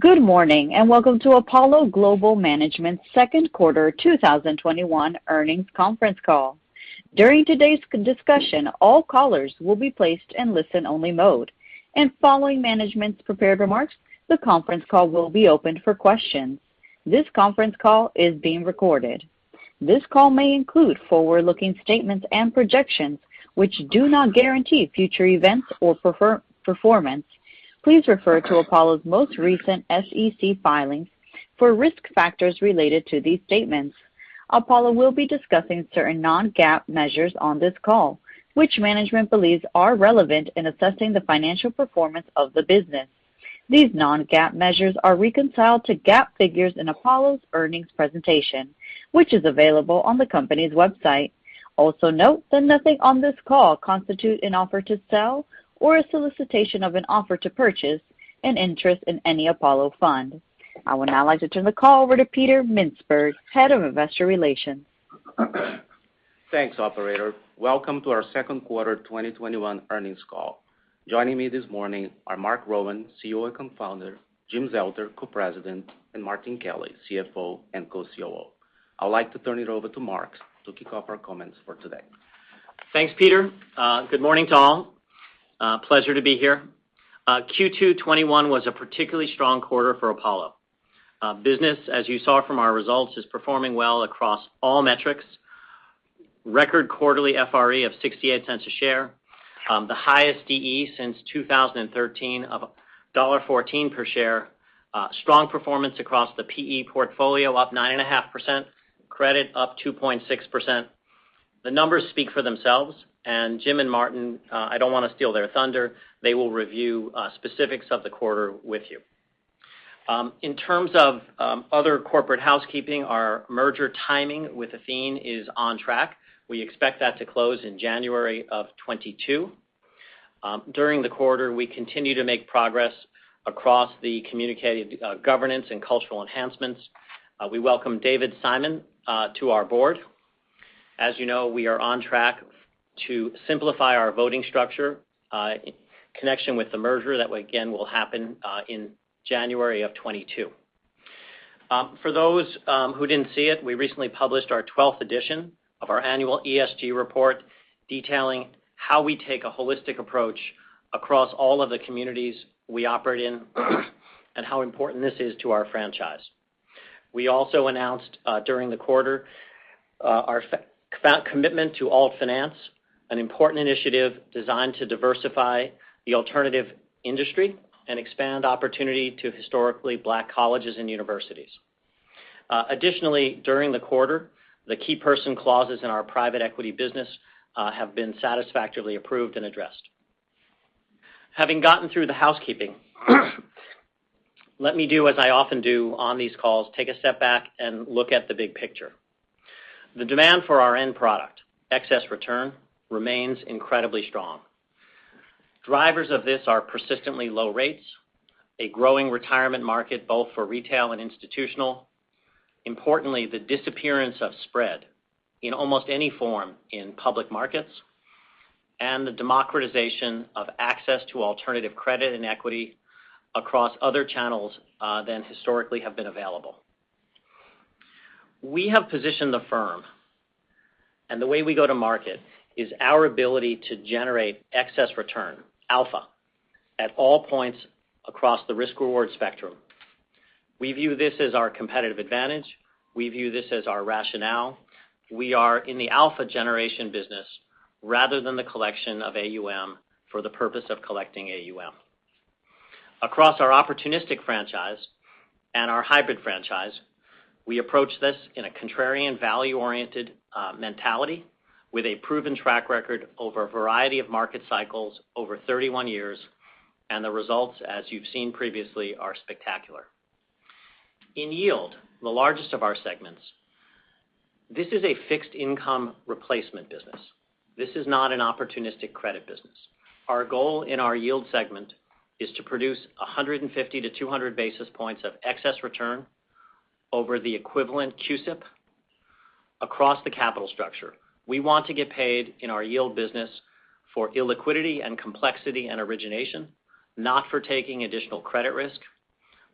Good morning, and welcome to Apollo Global Management's second quarter 2021 earnings conference call. During today's discussion, all callers will be placed in listen-only mode. Following management's prepared remarks, the conference call will be opened for questions. This conference call is being recorded. This call may include forward-looking statements and projections, which do not guarantee future events or performance. Please refer to Apollo's most recent SEC filing for risk factors related to these statements. Apollo will be discussing certain non-GAAP measures on this call, which management believes are relevant in assessing the financial performance of the business. These non-GAAP measures are reconciled to GAAP figures in Apollo's earnings presentation, which is available on the company's website. Also note that nothing on this call constitutes an offer to sell or a solicitation of an offer to purchase an interest in any Apollo fund. I would now like to turn the call over to Peter Mintzberg, Head of Investor Relations. Thanks, operator. Welcome to our second quarter 2021 earnings call. Joining me this morning are Marc Rowan, CEO and Co-founder, Jim Zelter, Co-President, and Martin Kelly, CFO and Co-COO. I'd like to turn it over to Marc to kick off our comments for today. Thanks, Peter. Good morning to all. Pleasure to be here. Q2 2021 was a particularly strong quarter for Apollo. Business, as you saw from our results, is performing well across all metrics. Record quarterly FRE of $0.68 a share. The highest DE since 2013 of $1.14 per share. Strong performance across the PE portfolio, up 9.5%. Credit up 2.6%. The numbers speak for themselves. Jim and Martin, I don't want to steal their thunder, they will review specifics of the quarter with you. In terms of other corporate housekeeping, our merger timing with Athene is on track. We expect that to close in January of 2022. During the quarter, we continue to make progress across the communicated governance and cultural enhancements. We welcome David Simon to our board. As you know, we are on track to simplify our voting structure in connection with the merger. That, again, will happen in January of 2022. For those who didn't see it, we recently published our 12th edition of our annual ESG report, detailing how we take a holistic approach across all of the communities we operate in and how important this is to our franchise. We also announced during the quarter our commitment to AltFinance, an important initiative designed to diversify the alternative industry and expand opportunity to historically Black colleges and universities. Additionally, during the quarter, the key-person clauses in our private equity business have been satisfactorily approved and addressed. Having gotten through the housekeeping, let me do as I often do on these calls, take a step back and look at the big picture. The demand for our end product, excess return, remains incredibly strong. Drivers of this are persistently low rates, a growing retirement market, both for retail and institutional. Importantly, the disappearance of spread in almost any form in public markets, the democratization of access to alternative credit and equity across other channels than historically have been available. We have positioned the firm, and the way we go to market is our ability to generate excess return, alpha, at all points across the risk-reward spectrum. We view this as our competitive advantage. We view this as our rationale. We are in the alpha generation business rather than the collection of AUM for the purpose of collecting AUM. Across our opportunistic franchise and our hybrid franchise, we approach this in a contrarian value-oriented mentality with a proven track record over a variety of market cycles over 31 years, the results, as you've seen previously, are spectacular. In yield, the largest of our segments, this is a fixed income replacement business. This is not an opportunistic credit business. Our goal in our Yield segment is to produce 150 to 200 basis points of excess return over the equivalent CUSIP across the capital structure. We want to get paid in our yield business for illiquidity and complexity and origination, not for taking additional credit risk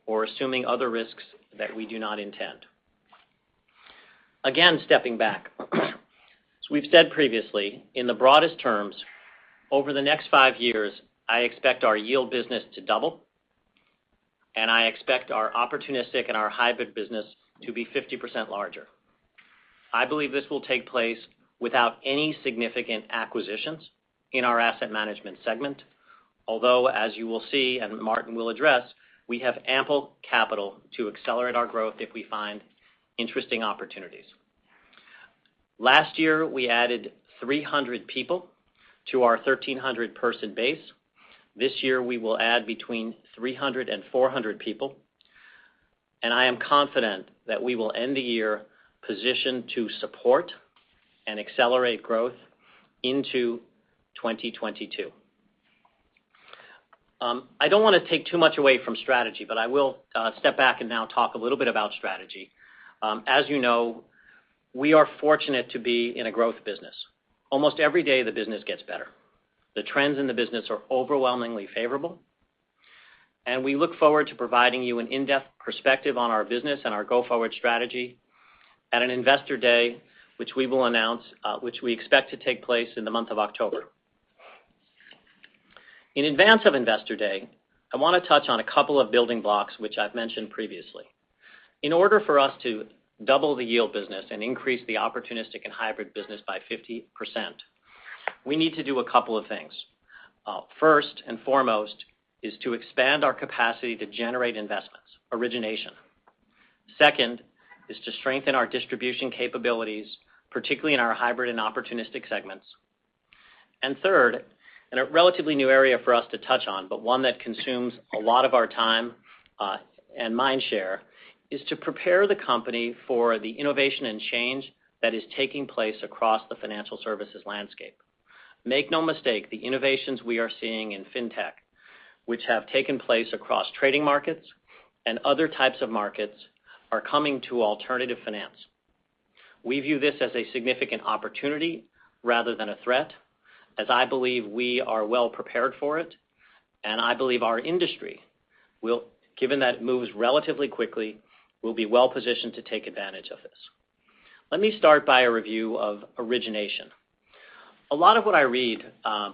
or assuming other risks that we do not intend. Again, stepping back. As we've said previously, in the broadest terms, over the next five years, I expect our yield business to double, and I expect our opportunistic and our hybrid business to be 50% larger. I believe this will take place without any significant acquisitions in our asset management segment. Although, as you will see and Martin will address, we have ample capital to accelerate our growth if we find interesting opportunities. Last year, we added 300 people to our 1,300-person base. This year, we will add between 300 and 400 people. I am confident that we will end the year positioned to support and accelerate growth into 2022. I don't want to take too much away from strategy. I will step back and now talk a little bit about strategy. As you know, we are fortunate to be in a growth business. Almost every day, the business gets better. The trends in the business are overwhelmingly favorable. We look forward to providing you an in-depth perspective on our business and our go-forward strategy at an Investor Day, which we expect to take place in the month of October. In advance of Investor Day, I want to touch on a couple of building blocks which I've mentioned previously. In order for us to double the yield business and increase the opportunistic and hybrid business by 50%, we need to do a couple of things. First and foremost is to expand our capacity to generate investments, origination. Second is to strengthen our distribution capabilities, particularly in our hybrid and opportunistic segments. Third, in a relatively new area for us to touch on, but one that consumes a lot of our time and mind share, is to prepare the company for the innovation and change that is taking place across the financial services landscape. Make no mistake, the innovations we are seeing in fintech, which have taken place across trading markets and other types of markets, are coming to alternative finance. We view this as a significant opportunity rather than a threat, as I believe we are well prepared for it, and I believe our industry will, given that it moves relatively quickly, will be well positioned to take advantage of this. Let me start by a review of origination. A lot of what I read,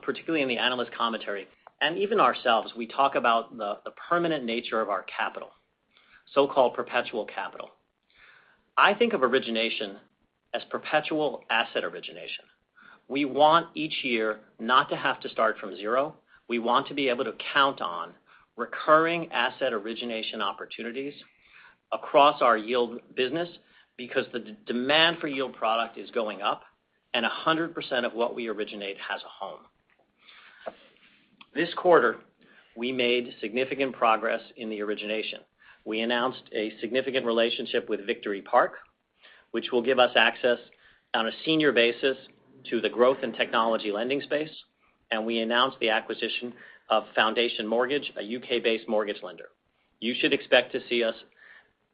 particularly in the analyst commentary and even ourselves, we talk about the permanent nature of our capital, so-called perpetual capital. I think of origination as perpetual asset origination. We want each year not to have to start from zero. We want to be able to count on recurring asset origination opportunities across our yield business because the demand for yield product is going up and 100% of what we originate has a home. This quarter, we made significant progress in the origination. We announced a significant relationship with Victory Park, which will give us access on a senior basis to the growth in technology lending space, and we announced the acquisition of Foundation Home Loans, a U.K.-based mortgage lender. You should expect to see us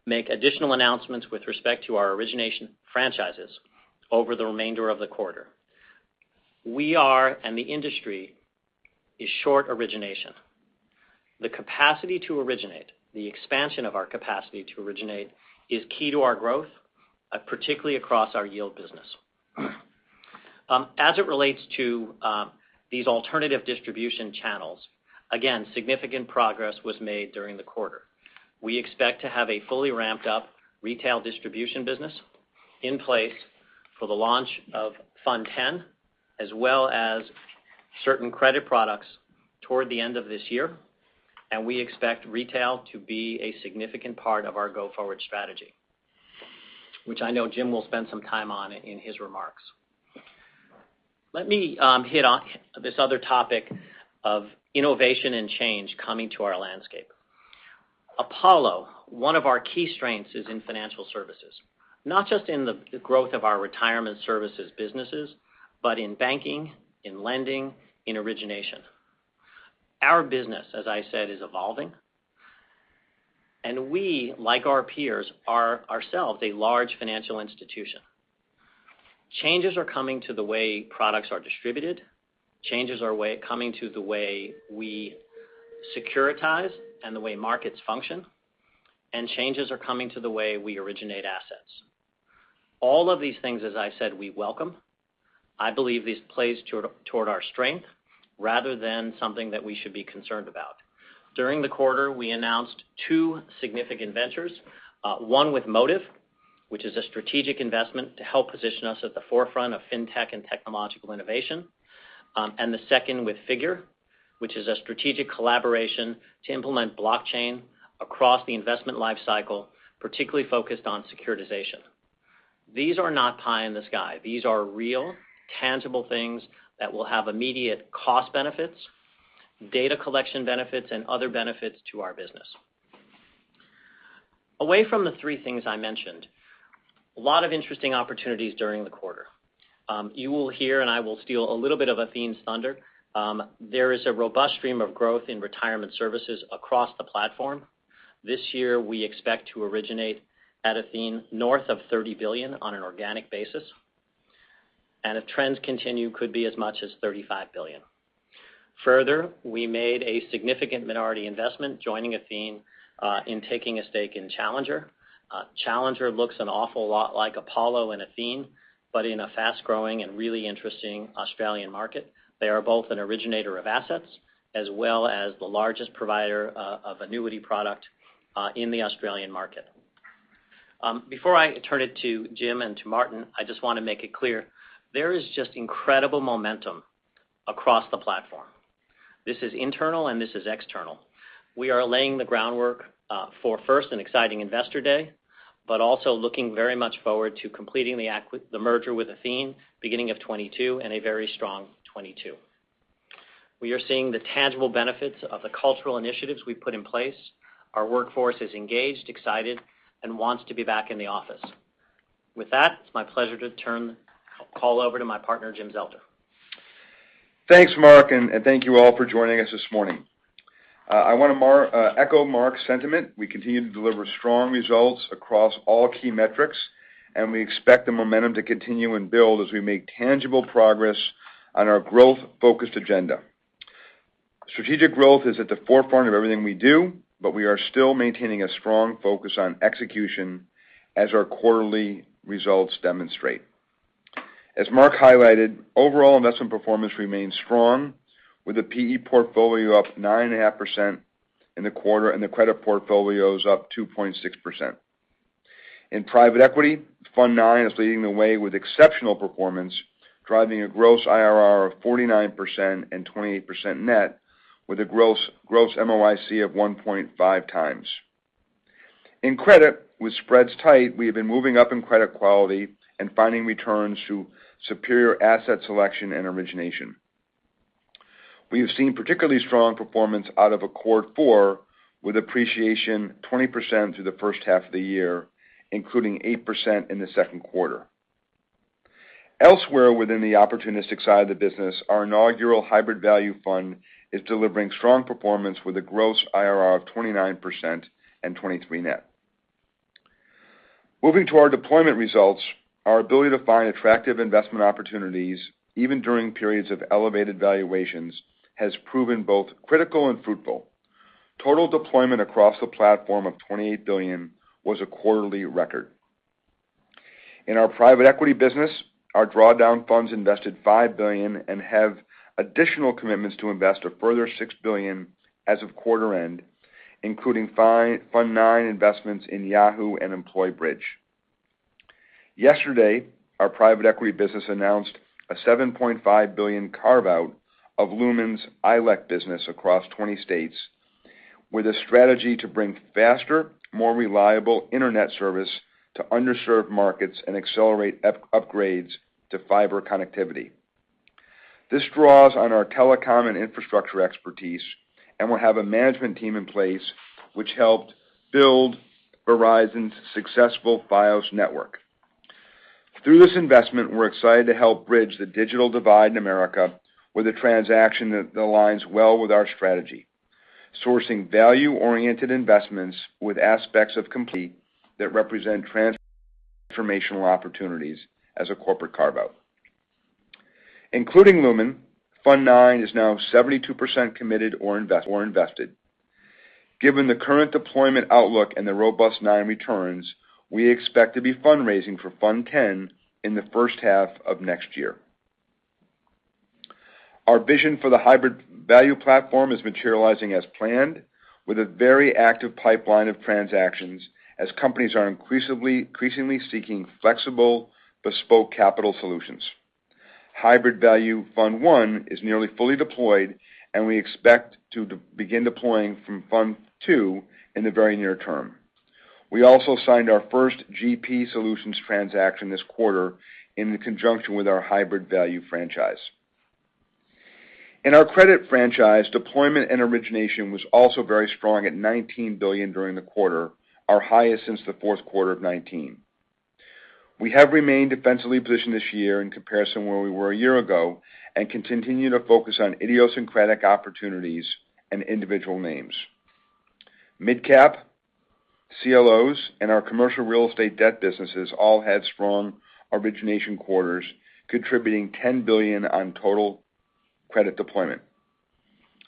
make additional announcements with respect to our origination franchises over the remainder of the quarter. We are, and the industry is short origination. The capacity to originate, the expansion of our capacity to originate is key to our growth, particularly across our yield business. As it relates to these alternative distribution channels, again, significant progress was made during the quarter. We expect to have a fully ramped-up retail distribution business in place for the launch of Fund X, as well as certain credit products toward the end of this year, and we expect retail to be a significant part of our go-forward strategy, which I know Jim will spend some time on in his remarks. Let me hit on this other topic of innovation and change coming to our landscape. Apollo, one of our key strengths, is in financial services, not just in the growth of our retirement services businesses, but in banking, in lending, in origination. Our business, as I said, is evolving, and we, like our peers, are ourselves a large financial institution. Changes are coming to the way products are distributed, changes are coming to the way we securitize and the way markets function, and changes are coming to the way we originate assets. All of these things, as I said, we welcome. I believe this plays toward our strength rather than something that we should be concerned about. During the quarter, we announced two significant ventures, one with Motive, which is a strategic investment to help position us at the forefront of fintech and technological innovation. The second with Figure, which is a strategic collaboration to implement blockchain across the investment life cycle, particularly focused on securitization. These are not pie in the sky. These are real, tangible things that will have immediate cost benefits, data collection benefits, and other benefits to our business. Away from the three things I mentioned, a lot of interesting opportunities during the quarter. You will hear, I will steal a little bit of Athene's thunder. There is a robust stream of growth in retirement services across the platform. This year, we expect to originate at Athene north of $30 billion on an organic basis, and if trends continue, could be as much as $35 billion. We made a significant minority investment joining Athene in taking a stake in Challenger. Challenger looks an awful lot like Apollo and Athene, but in a fast-growing and really interesting Australian market. They are both an originator of assets as well as the largest provider of annuity product in the Australian market. Before I turn it to Jim and to Martin, I just want to make it clear, there is just incredible momentum across the platform. This is internal and this is external. We are laying the groundwork for first, an exciting Investor Day, but also looking very much forward to completing the merger with Athene beginning of 2022 and a very strong 2022. We are seeing the tangible benefits of the cultural initiatives we put in place. Our workforce is engaged, excited, and wants to be back in the office. With that, it's my pleasure to turn the call over to my partner, Jim Zelter. Thanks, Marc, and thank you all for joining us this morning. I want to echo Marc's sentiment. We continue to deliver strong results across all key metrics. We expect the momentum to continue and build as we make tangible progress on our growth-focused agenda. Strategic growth is at the forefront of everything we do. We are still maintaining a strong focus on execution as our quarterly results demonstrate. As Marc highlighted, overall investment performance remains strong, with the PE portfolio up 9.5% in the quarter. The credit portfolio is up 2.6%. In private equity, Fund IX is leading the way with exceptional performance, driving a gross IRR of 49% and 28% net, with a gross MOIC of 1.5x. In credit, with spreads tight, we have been moving up in credit quality and finding returns through superior asset selection and origination. We have seen particularly strong performance out of Accord Four, with appreciation 20% through the first half of the year, including 8% in the second quarter. Elsewhere within the opportunistic side of the business, our inaugural Hybrid Value Fund is delivering strong performance with a gross IRR of 29% and 23% net. Moving to our deployment results, our ability to find attractive investment opportunities, even during periods of elevated valuations, has proven both critical and fruitful. Total deployment across the platform of $28 billion was a quarterly record. In our private equity business, our drawdown funds invested $5 billion and have additional commitments to invest a further $6 billion as of quarter end, including Fund IX investments in Yahoo and EmployBridge. Yesterday, our private equity business announced a $7.5 billion carve-out of Lumen's ILEC business across 20 states, with a strategy to bring faster, more reliable internet service to underserved markets and accelerate upgrades to fiber connectivity. This draws on our telecom and infrastructure expertise and will have a management team in place which helped build Verizon's successful Fios network. Through this investment, we're excited to help bridge the digital divide in America with a transaction that aligns well with our strategy, sourcing value-oriented investments with aspects of complete that represent transformational opportunities as a corporate carve-out. Including Lumen, Fund IX is now 72% committed or invested. Given the current deployment outlook and the robust IX returns, we expect to be fundraising for Fund X in the first half of next year. Our vision for the hybrid value platform is materializing as planned with a very active pipeline of transactions as companies are increasingly seeking flexible, bespoke capital solutions. Hybrid Value Fund I is nearly fully deployed, and we expect to begin deploying from Fund II in the very near term. We also signed our first GP solutions transaction this quarter in conjunction with our hybrid value franchise. In our credit franchise, deployment and origination was also very strong at $19 billion during the quarter, our highest since the fourth quarter of 2019. We have remained defensively positioned this year in comparison where we were a year ago and continue to focus on idiosyncratic opportunities and individual names. MidCap, CLOs, and our commercial real estate debt businesses all had strong origination quarters, contributing $10 billion on total credit deployment.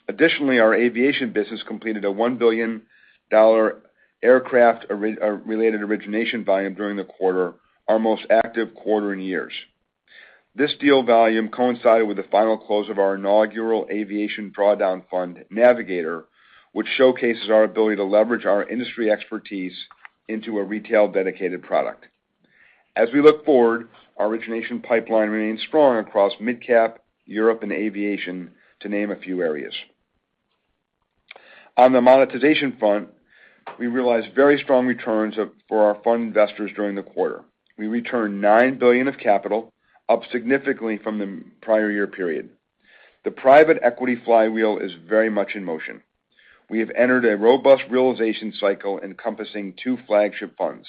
Additionally, our aviation business completed a $1 billion aircraft-related origination volume during the quarter, our most active quarter in years. This deal volume coincided with the final close of our inaugural aviation drawdown fund Navigator, which showcases our ability to leverage our industry expertise into a retail-dedicated product. As we look forward, our origination pipeline remains strong across MidCap, Europe, and aviation, to name a few areas. On the monetization front, we realized very strong returns for our fund investors during the quarter. We returned $9 billion of capital, up significantly from the prior year period. The private equity flywheel is very much in motion. We have entered a robust realization cycle encompassing two flagship funds.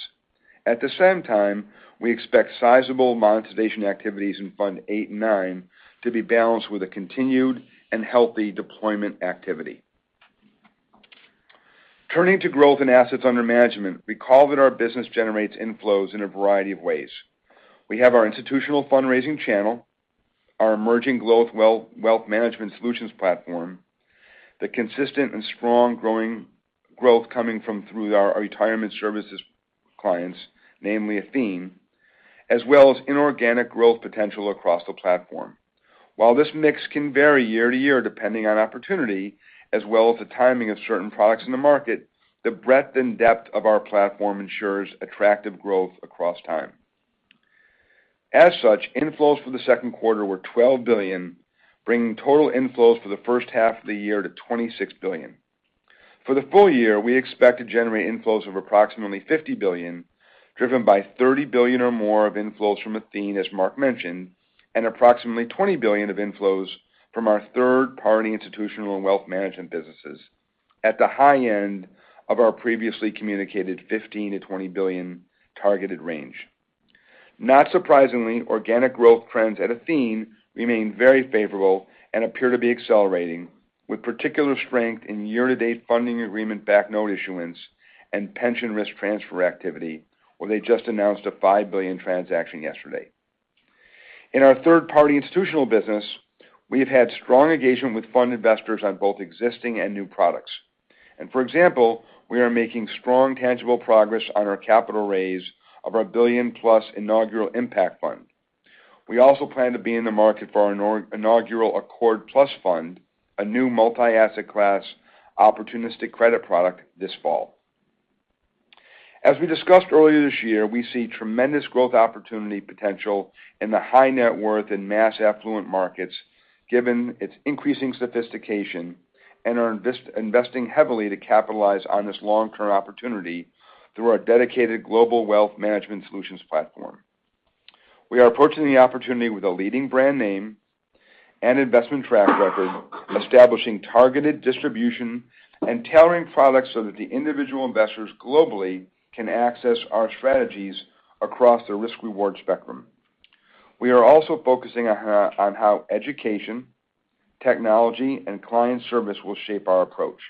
At the same time, we expect sizable monetization activities in Fund VIII and IX to be balanced with a continued and healthy deployment activity. Turning to growth in assets under management, recall that our business generates inflows in a variety of ways. We have our institutional fundraising channel, our emerging growth wealth management solutions platform, the consistent and strong growth coming from through our retirement services clients, namely Athene, as well as inorganic growth potential across the platform. While this mix can vary year-to-year depending on opportunity, as well as the timing of certain products in the market, the breadth and depth of our platform ensures attractive growth across time. Inflows for the second quarter were $12 billion, bringing total inflows for the first half of the year to $26 billion. For the full year, we expect to generate inflows of approximately $50 billion, driven by $30 billion or more of inflows from Athene, as Marc Rowan mentioned, and approximately $20 billion of inflows from our third-party institutional and wealth management businesses at the high end of our previously communicated $15 billion-$20 billion targeted range. Not surprisingly, organic growth trends at Athene remain very favorable and appear to be accelerating, with particular strength in year-to-date funding agreement back note issuance and pension risk transfer activity, where they just announced a $5 billion transaction yesterday. In our third-party institutional business, we have had strong engagement with fund investors on both existing and new products. For example, we are making strong tangible progress on our capital raise of our $1 billion+ inaugural impact fund. We also plan to be in the market for our inaugural Accord+ fund, a new multi-asset class opportunistic credit product this fall. As we discussed earlier this year, we see tremendous growth opportunity potential in the high net worth in mass affluent markets given its increasing sophistication, and are investing heavily to capitalize on this long-term opportunity through our dedicated global wealth management solutions platform. We are approaching the opportunity with a leading brand name and investment track record, establishing targeted distribution and tailoring products so that the individual investors globally can access our strategies across the risk-reward spectrum. We are also focusing on how education, technology, and client service will shape our approach.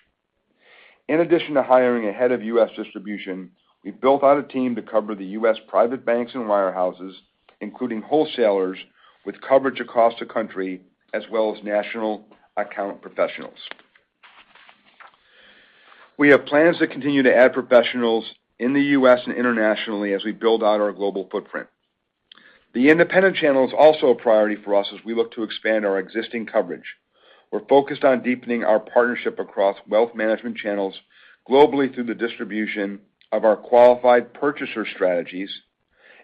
In addition to hiring a head of U.S. distribution, we've built out a team to cover the U.S. private banks and wire houses, including wholesalers with coverage across the country, as well as national account professionals. We have plans to continue to add professionals in the U.S. and internationally as we build out our global footprint. The independent channel is also a priority for us as we look to expand our existing coverage. We're focused on deepening our partnership across wealth management channels globally through the distribution of our qualified purchaser strategies,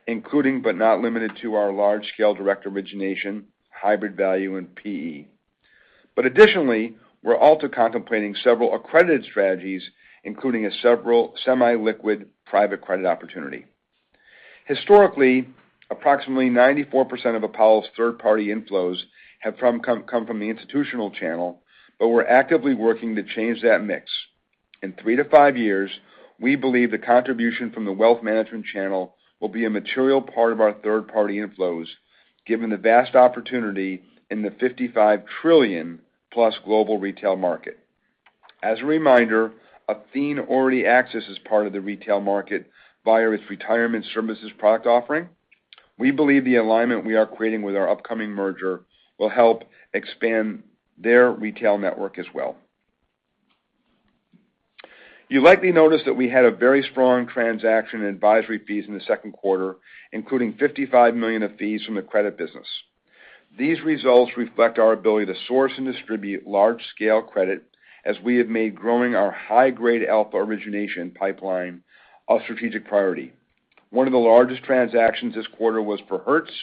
including but not limited to our large-scale direct origination, Hybrid Value, and PE. Additionally, we're also contemplating several accredited strategies, including several semi-liquid private credit opportunity. Historically, approximately 94% of Apollo's third-party inflows have come from the institutional channel, but we're actively working to change that mix. In three to five years, we believe the contribution from the wealth management channel will be a material part of our third-party inflows, given the vast opportunity in the 55 trillion+ global retail market. As a reminder, Athene already accesses part of the retail market via its retirement services product offering. We believe the alignment we are creating with our upcoming merger will help expand their retail network as well. You likely noticed that we had a very strong transaction in advisory fees in the second quarter, including $55 million of fees from the credit business. These results reflect our ability to source and distribute large-scale credit as we have made growing our high-grade alpha origination pipeline a strategic priority. One of the largest transactions this quarter was for Hertz,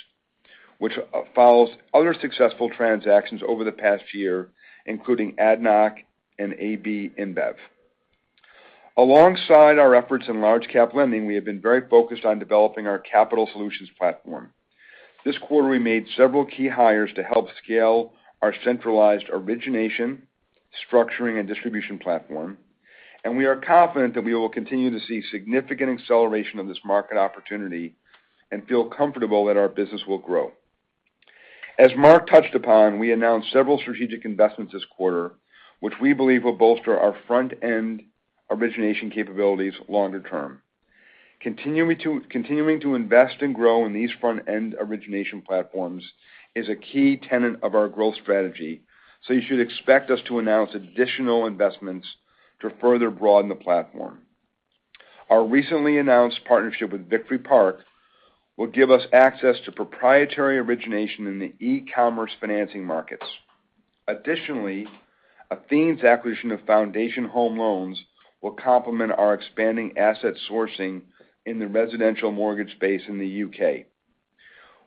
which follows other successful transactions over the past year, including ADNOC and AB InBev. Alongside our efforts in large cap lending, we have been very focused on developing our capital solutions platform. This quarter, we made several key hires to help scale our centralized origination, structuring, and distribution platform. We are confident that we will continue to see significant acceleration of this market opportunity and feel comfortable that our business will grow. As Marc touched upon, we announced several strategic investments this quarter, which we believe will bolster our front-end origination capabilities longer term. Continuing to invest and grow in these front-end origination platforms is a key tenet of our growth strategy. You should expect us to announce additional investments to further broaden the platform. Our recently announced partnership with Victory Park will give us access to proprietary origination in the e-commerce financing markets. Additionally, Athene's acquisition of Foundation Home Loans will complement our expanding asset sourcing in the residential mortgage space in the U.K.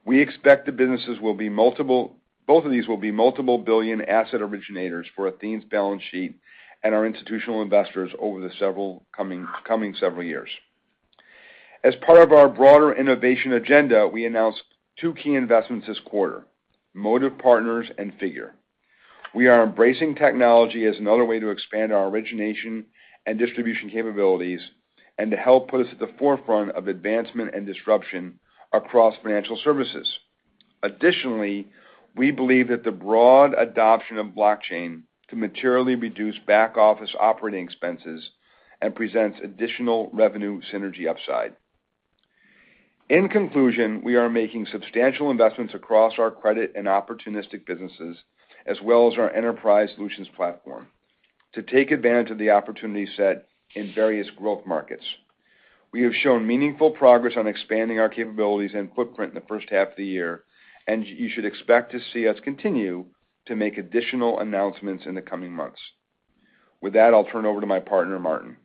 We expect both of these will be multiple billion asset originators for Athene's balance sheet and our institutional investors over the coming several years. As part of our broader innovation agenda, we announced 2 key investments this quarter: Motive Partners and Figure. We are embracing technology as another way to expand our origination and distribution capabilities and to help put us at the forefront of advancement and disruption across financial services. Additionally, we believe that the broad adoption of blockchain can materially reduce back-office operating expenses and presents additional revenue synergy upside. In conclusion, we are making substantial investments across our credit and opportunistic businesses, as well as our enterprise solutions platform to take advantage of the opportunity set in various growth markets. We have shown meaningful progress on expanding our capabilities and footprint in the first half of the year, and you should expect to see us continue to make additional announcements in the coming months. With that, I'll turn it over to my partner, Martin.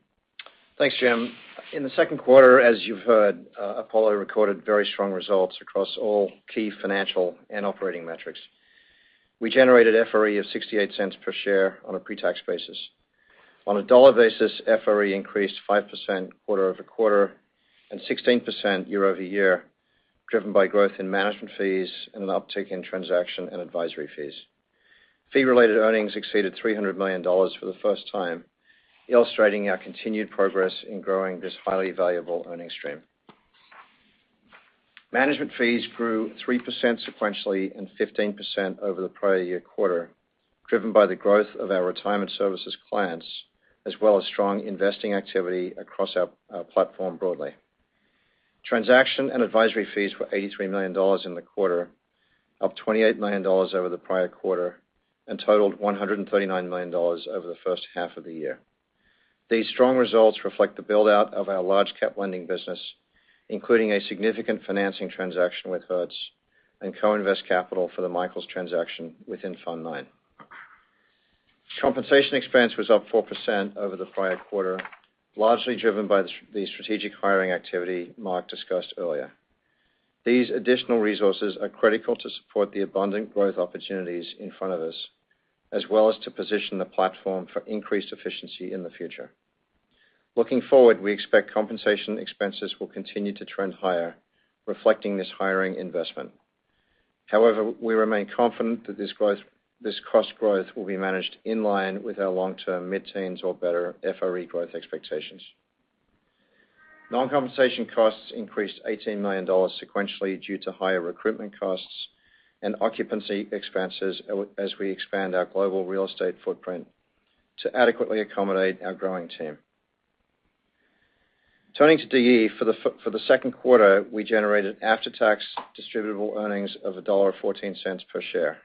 Thanks, Jim. In the second quarter, as you've heard, Apollo recorded very strong results across all key financial and operating metrics. We generated FRE of $0.68 per share on a pre-tax basis. On a dollar basis, FRE increased 5% quarter-over-quarter and 16% year-over-year, driven by growth in management fees and an uptick in transaction and advisory fees. Fee-related earnings exceeded $300 million for the first time, illustrating our continued progress in growing this highly valuable earnings stream. Management fees grew 3% sequentially and 15% over the prior year quarter, driven by the growth of our retirement services clients, as well as strong investing activity across our platform broadly. Transaction and advisory fees were $83 million in the quarter, up $28 million over the prior quarter, and totaled $139 million over the first half of the year. These strong results reflect the build-out of our large cap lending business, including a significant financing transaction with Hertz and co-invest capital for the Michaels transaction within Fund IX. Compensation expense was up 4% over the prior quarter, largely driven by the strategic hiring activity Marc discussed earlier. These additional resources are critical to support the abundant growth opportunities in front of us, as well as to position the platform for increased efficiency in the future. Looking forward, we expect compensation expenses will continue to trend higher, reflecting this hiring investment. However, we remain confident that this cost growth will be managed in line with our long-term mid-teens or better FRE growth expectations. Non-compensation costs increased $18 million sequentially due to higher recruitment costs and occupancy expenses as we expand our global real estate footprint to adequately accommodate our growing team. Turning to DE, for the second quarter, we generated after-tax distributable earnings of $1.14 per share,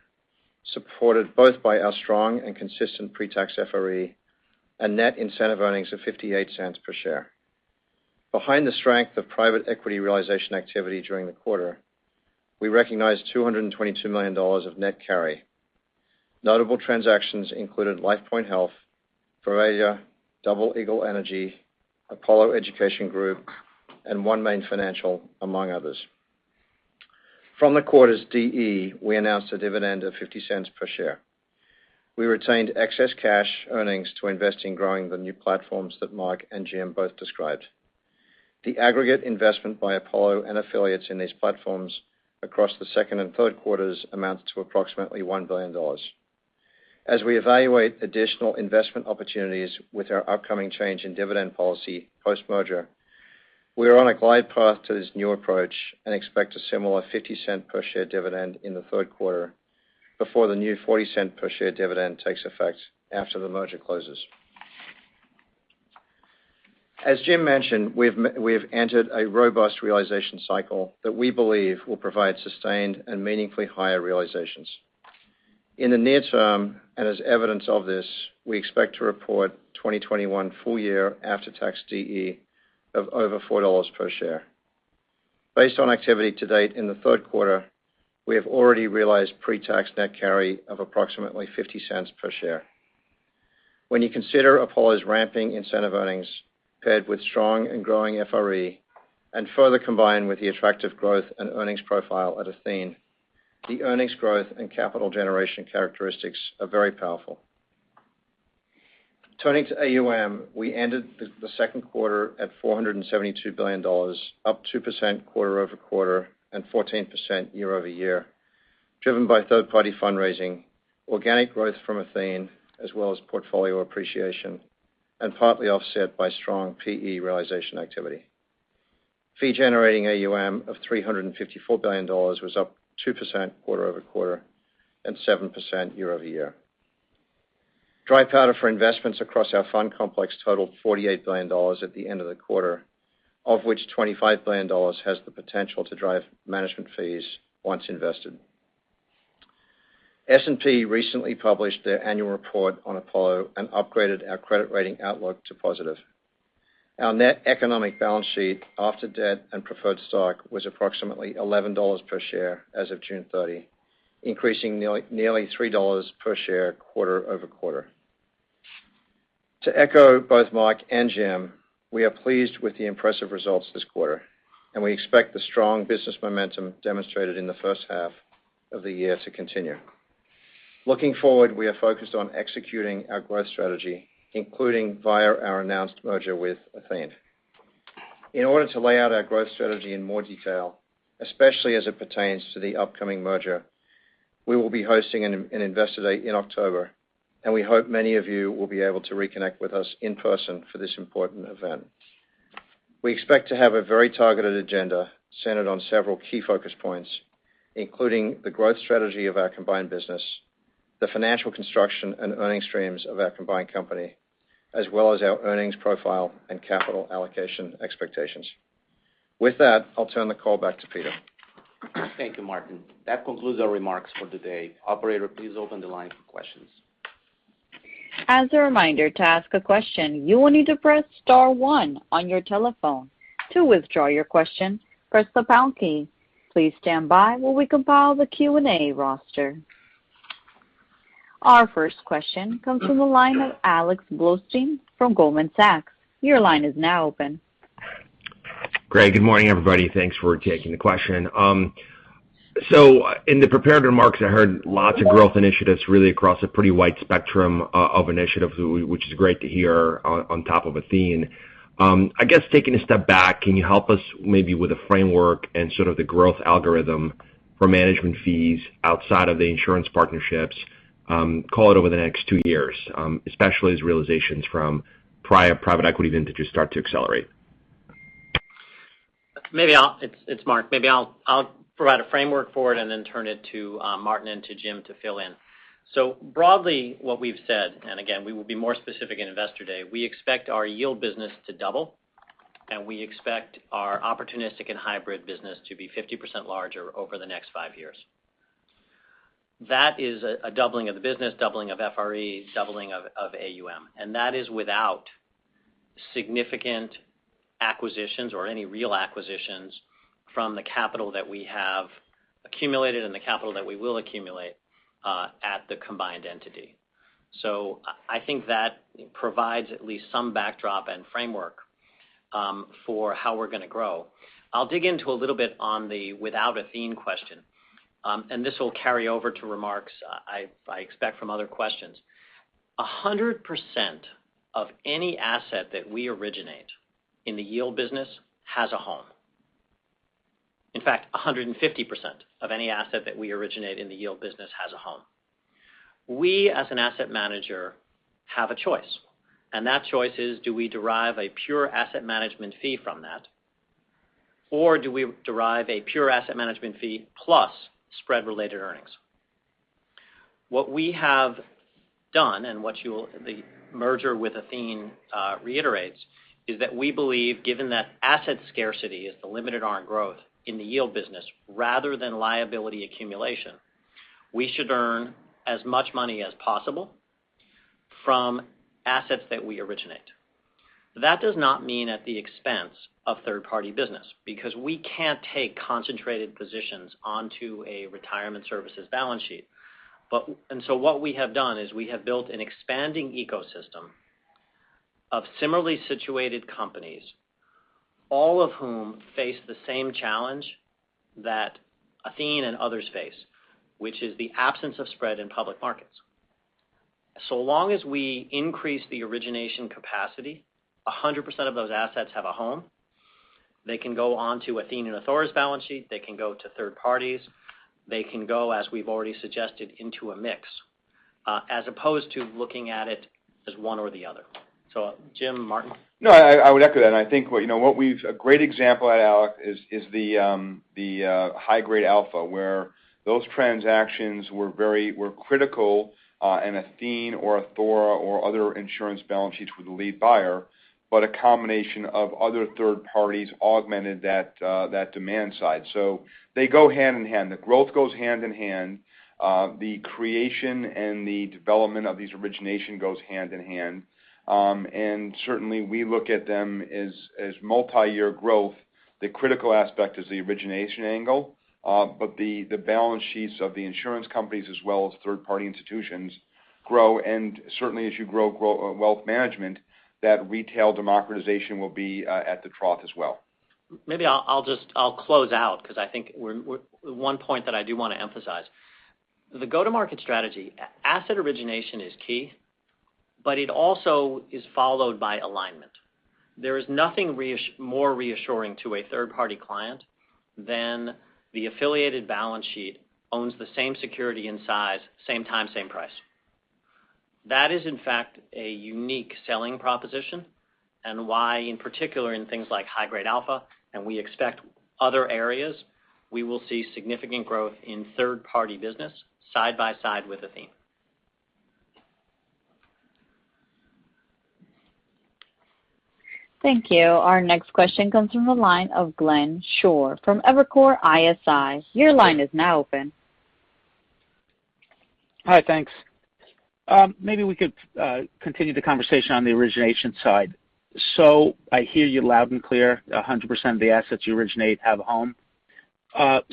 supported both by our strong and consistent pre-tax FRE and net incentive earnings of $0.58 per share. Behind the strength of private equity realization activity during the quarter, we recognized $222 million of net carry. Notable transactions included LifePoint Health, Verallia, Double Eagle Energy, Apollo Education Group, and OneMain Financial, among others. From the quarter's DE, we announced a dividend of $0.50 per share. We retained excess cash earnings to invest in growing the new platforms that Marc and Jim both described. The aggregate investment by Apollo and affiliates in these platforms across the second and third quarters amounts to approximately $1 billion. As we evaluate additional investment opportunities with our upcoming change in dividend policy post-merger, we are on a glide path to this new approach and expect a similar $0.50 per share dividend in the third quarter before the new $0.40 per share dividend takes effect after the merger closes. As Jim mentioned, we have entered a robust realization cycle that we believe will provide sustained and meaningfully higher realizations. In the near term, as evidence of this, we expect to report 2021 full-year after-tax DE of over $4 per share. Based on activity to date in the third quarter, we have already realized pre-tax net carry of approximately $0.50 per share. When you consider Apollo's ramping incentive earnings paired with strong and growing FRE, and further combined with the attractive growth and earnings profile at Athene, the earnings growth and capital generation characteristics are very powerful. Turning to AUM, we ended the second quarter at $472 billion, up 2% quarter-over-quarter and 14% year-over-year, driven by third-party fundraising, organic growth from Athene, as well as portfolio appreciation, partly offset by strong PE realization activity. Fee generating AUM of $354 billion was up 2% quarter-over-quarter and 7% year-over-year. Dry powder for investments across our fund complex totaled $48 billion at the end of the quarter, of which $25 billion has the potential to drive management fees once invested. S&P recently published their annual report on Apollo and upgraded our credit rating outlook to positive. Our net economic balance sheet after debt and preferred stock was approximately $11 per share as of June 30, increasing nearly $3 per share quarter-over-quarter. To echo both Marc Rowan and Jim Zelter, we are pleased with the impressive results this quarter, and we expect the strong business momentum demonstrated in the first half of the year to continue. Looking forward, we are focused on executing our growth strategy, including via our announced merger with Athene. In order to lay out our growth strategy in more detail, especially as it pertains to the upcoming merger, we will be hosting an investor day in October, and we hope many of you will be able to reconnect with us in person for this important event. We expect to have a very targeted agenda centered on several key focus points, including the growth strategy of our combined business, the financial construction and earning streams of our combined company, as well as our earnings profile and capital allocation expectations. With that, I'll turn the call back to Peter Mintzberg. Thank you, Martin. That concludes our remarks for the day. Operator, please open the line for questions. As a reminder, to ask a question, you will need to press star one on your telephone. To withdraw your question, press the pound key. Please standby while we compile the Q&A roster. Our first question comes from the line of Alex Blostein from Goldman Sachs. Your line is now open. Great. Good morning, everybody. Thanks for taking the question. In the prepared remarks, I heard lots of growth initiatives really across a pretty wide spectrum of initiatives, which is great to hear on top of Athene. I guess taking a step back, can you help us maybe with a framework and sort of the growth algorithm for management fees outside of the insurance partnerships, call it over the next two years, especially as realizations from private equity vintages start to accelerate? It's Marc. Maybe I'll provide a framework for it and then turn it to Martin and to Jim to fill in. Broadly what we've said, and again, we will be more specific at Investor Day, we expect our yield business to double, and we expect our opportunistic and hybrid business to be 50% larger over the next five years. That is a doubling of the business, doubling of FRE, doubling of AUM. That is without significant acquisitions or any real acquisitions from the capital that we have accumulated and the capital that we will accumulate at the combined entity. I think that provides at least some backdrop and framework for how we're going to grow. I'll dig into a little bit on the without Athene question. This will carry over to remarks I expect from other questions. 100% of any asset that we originate in the yield business has a home. In fact, 150% of any asset that we originate in the yield business has a home. We, as an asset manager, have a choice. That choice is, do we derive a pure asset management fee from that, or do we derive a pure asset management fee plus spread-related earnings? What we have done and what the merger with Athene reiterates, is that we believe given that asset scarcities limited our growth in the yield business rather than liability accumulation, we should earn as much money as possible from assets that we originate. That does not mean at the expense of third-party business because we can't take concentrated positions onto a retirement services balance sheet. What we have done is we have built an expanding ecosystem of similarly situated companies, all of whom face the same challenge that Athene and others face, which is the absence of spread in public markets. Long as we increase the origination capacity, 100% of those assets have a home. They can go onto Athene and Athora's balance sheet. They can go to third parties. They can go, as we've already suggested, into a mix as opposed to looking at it as one or the other. Jim, Martin? No, I would echo that. I think a great example at Alex is the high-grade Alpha, where those transactions were critical in Athene or Athora or other insurance balance sheets with a lead buyer, but a combination of other third parties augmented that demand side. They go hand in hand. The growth goes hand in hand. The creation and the development of these origination goes hand in hand. Certainly, we look at them as multi-year growth. The critical aspect is the origination angle but the balance sheets of the insurance companies as well as third-party institutions grow. Certainly, as you grow wealth management, that retail democratization will be at the trough as well. Maybe I'll close out because I think one point that I do want to emphasize. The go-to-market strategy, asset origination is key, but it also is followed by alignment. There is nothing more reassuring to a third-party client than the affiliated balance sheet owns the same security and size, same time, same price. That is in fact a unique selling proposition and why in particular in things like high-grade Alpha, and we expect other areas, we will see significant growth in third-party business side by side with Athene. Thank you. Our next question comes from the line of Glenn Schorr from Evercore ISI. Your line is now open. Hi, thanks. Maybe we could continue the conversation on the origination side. I hear you loud and clear, 100% of the assets you originate have a home.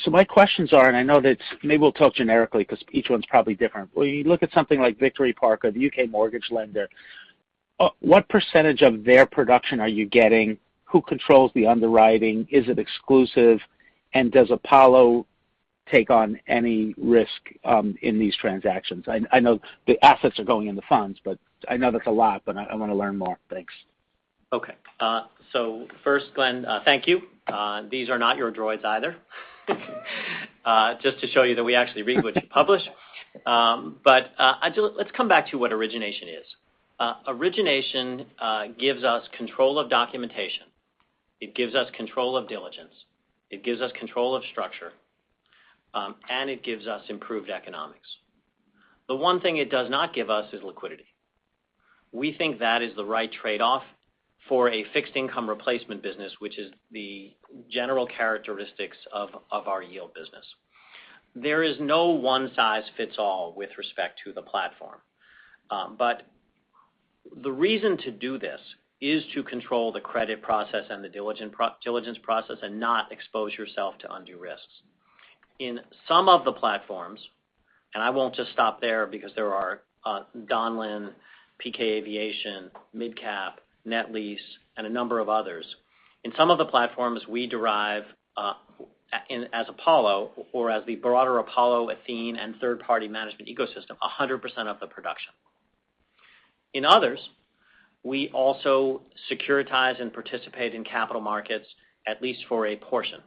My questions are, and I know that maybe we'll talk generically because each one's probably different. When you look at something like Victory Park or the U.K. mortgage lender, what percentage of their production are you getting? Who controls the underwriting? Is it exclusive? Does Apollo take on any risk in these transactions? I know the assets are going in the funds, but I know that's a lot, but I want to learn more. Thanks. Okay. First, Glenn, thank you. These are not your droids either. Just to show you that we actually read what you publish. Let's come back to what origination is. Origination gives us control of documentation. It gives us control of diligence. It gives us control of structure. It gives us improved economics. The one thing it does not give us is liquidity. We think that is the right trade-off for a fixed income replacement business, which is the general characteristics of our yield business. There is no 1 size fits all with respect to the platform. The reason to do this is to control the credit process and the diligence process and not expose yourself to undue risks. In some of the platforms, and I won't just stop there because there are Donlen, PK AirFinance, MidCap, NetLease, and a number of others. In some of the platforms we derive, as Apollo or as the broader Apollo, Athene, and third-party management ecosystem, 100% of the production. In others, we also securitize and participate in capital markets at least for a portion.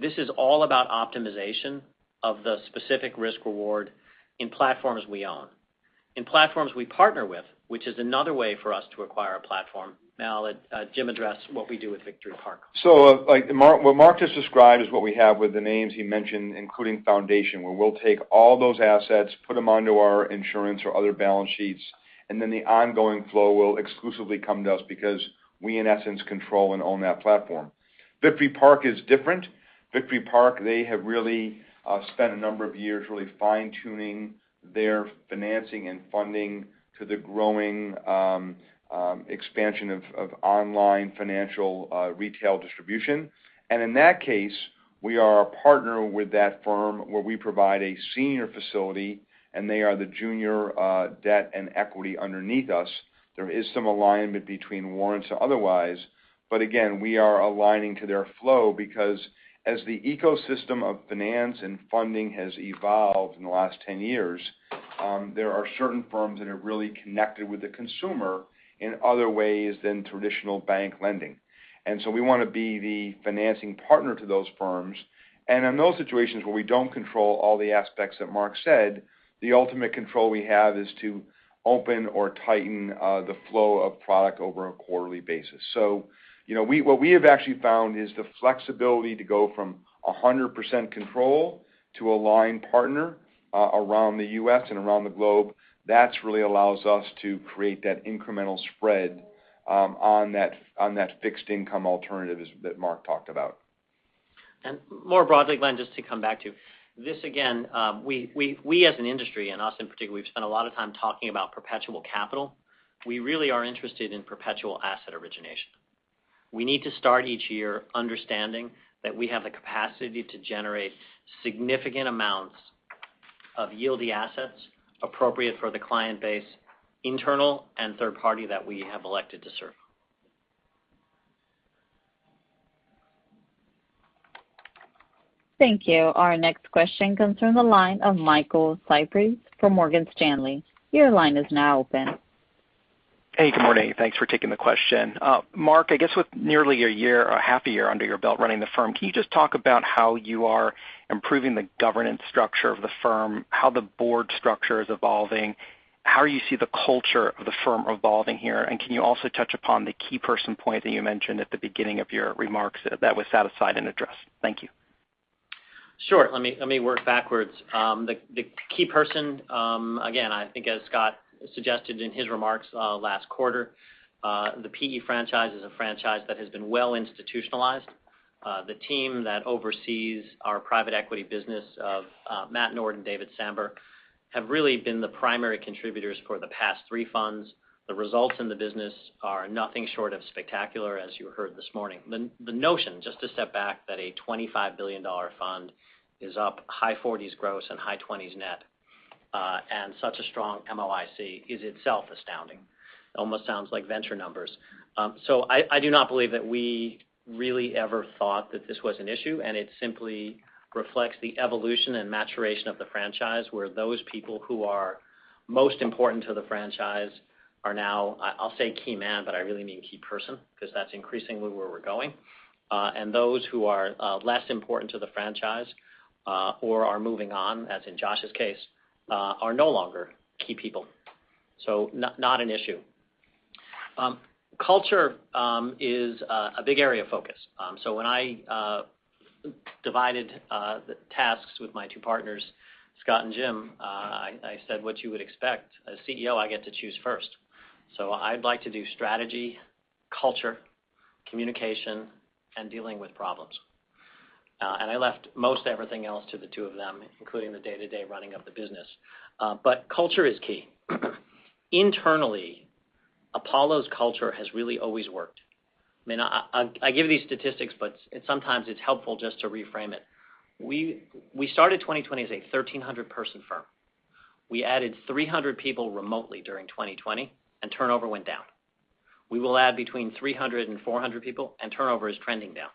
This is all about optimization of the specific risk-reward in platforms we own. In platforms we partner with, which is another way for us to acquire a platform. Now, Jim addressed what we do with Victory Park. What Marc just described is what we have with the names he mentioned, including Foundation, where we'll take all those assets, put them onto our insurance or other balance sheets, and then the ongoing flow will exclusively come to us because we, in essence, control and own that platform. Victory Park is different. Victory Park, they have really spent a number of years really fine-tuning their financing and funding to the growing expansion of online financial retail distribution. In that case, we are a partner with that firm where we provide a senior facility, and they are the junior debt and equity underneath us. There is some alignment between warrants otherwise. Again, we are aligning to their flow because as the ecosystem of finance and funding has evolved in the last 10 years, there are certain firms that are really connected with the consumer in other ways than traditional bank lending. We want to be the financing partner to those firms. In those situations where we don't control all the aspects that Marc said, the ultimate control we have is to open or tighten the flow of product over a quarterly basis. What we have actually found is the flexibility to go from 100% control to aligned partner around the U.S. and around the globe. That really allows us to create that incremental spread on that fixed income alternative that Marc talked about. More broadly, Glenn, just to come back to this again, we as an industry, and us in particular, we've spent a lot of time talking about perpetual capital. We really are interested in perpetual asset origination. We need to start each year understanding that we have the capacity to generate significant amounts of yield-y assets appropriate for the client base, internal and third party, that we have elected to serve. Thank you. Our next question comes from the line of Michael Cyprys from Morgan Stanley. Your line is now open. Hey, good morning. Thanks for taking the question. Marc, I guess with nearly a year or a half a year under your belt running the firm, can you just talk about how you are improving the governance structure of the firm, how the board structure is evolving, how you see the culture of the firm evolving here? Can you also touch upon the key person point that you mentioned at the beginning of your remarks that was set aside and addressed? Thank you. Sure. Let me work backwards. The key person, again, I think as Scott suggested in his remarks last quarter, the PE franchise is a franchise that has been well institutionalized. The team that oversees our private equity business of Matt Nord and David Sambur have really been the primary contributors for the past three funds. The results in the business are nothing short of spectacular, as you heard this morning. The notion, just to step back, that a $25 billion fund is up high 40s gross and high 20s net, and such a strong MOIC is itself astounding. Almost sounds like venture numbers. I do not believe that we really ever thought that this was an issue, and it simply reflects the evolution and maturation of the franchise where those people who are most important to the franchise are now, I'll say key man, but I really mean key person because that's increasingly where we're going. Those who are less important to the franchise, or are moving on, as in Josh's case, are no longer key people. Not an issue. Culture is a big area of focus. When I divided the tasks with my two partners, Scott and Jim, I said what you would expect. As CEO, I get to choose first. I'd like to do strategy, culture, communication, and dealing with problems. I left most everything else to the two of them, including the day-to-day running of the business. Culture is key. Internally, Apollo's culture has really always worked. I give you these statistics, but sometimes it's helpful just to reframe it. We started 2020 as a 1,300-person firm. We added 300 people remotely during 2020, and turnover went down. We will add between 300 and 400 people, and turnover is trending down.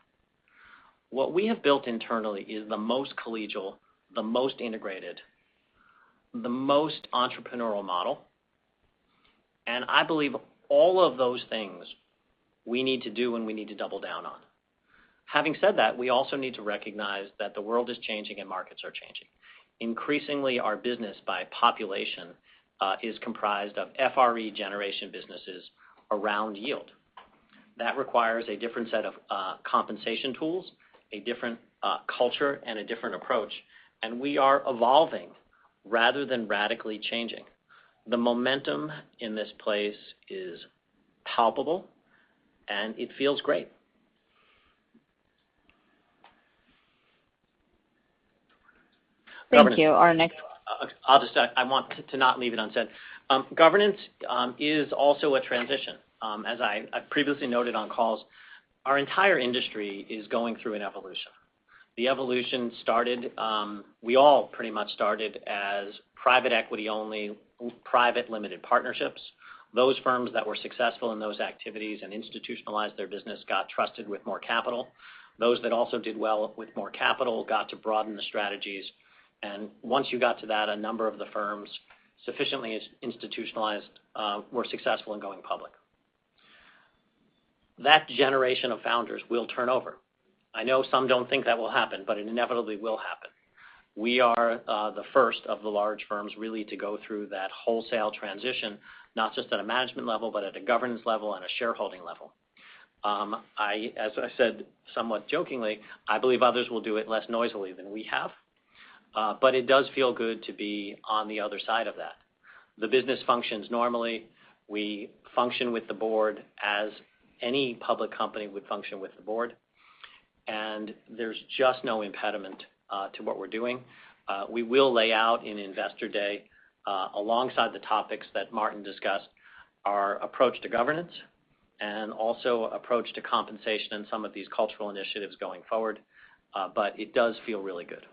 What we have built internally is the most collegial, the most integrated, the most entrepreneurial model. I believe all of those things we need to do and we need to double down on. Having said that, we also need to recognize that the world is changing and markets are changing. Increasingly, our business by population is comprised of FRE generation businesses around yield. That requires a different set of compensation tools, a different culture, and a different approach. We are evolving rather than radically changing. The momentum in this place is palpable, and it feels great. Thank you. Our next- I want to not leave it unsaid. Governance is also a transition. As I previously noted on calls, our entire industry is going through an evolution. The evolution, we all pretty much started as private equity only, private limited partnerships. Those firms that were successful in those activities and institutionalized their business got trusted with more capital. Those that also did well with more capital got to broaden the strategies. Once you got to that, a number of the firms sufficiently institutionalized, were successful in going public. That generation of founders will turn over. I know some don't think that will happen, but it inevitably will happen. We are the first of the large firms really to go through that wholesale transition, not just at a management level, but at a governance level and a shareholding level. As I said, somewhat jokingly, I believe others will do it less noisily than we have. It does feel good to be on the other side of that. The business functions normally. We function with the board as any public company would function with the board, and there's just no impediment to what we're doing. We will lay out in Investor Day, alongside the topics that Martin discussed, our approach to governance and also approach to compensation and some of these cultural initiatives going forward. It does feel really good.